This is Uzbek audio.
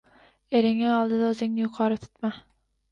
Eringning oldida o‘zingni yuqori tutma.